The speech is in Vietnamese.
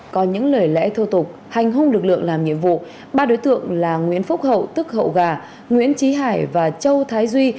có những lời lẽ thô tục hành hung lực lượng làm nhiệm vụ ba đối tượng là nguyễn phúc hậu tức hậu gà nguyễn trí hải và châu thái duy